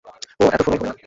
ওহ, এত ফর্মাল হবেন না।